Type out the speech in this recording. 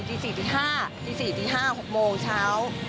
จีน๔จีน๕จีน๔จีน๕จีน๖โมงเช้า